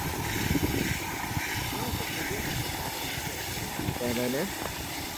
Nav taču iemesla šādai nekrietnai rīcībai, vai ne?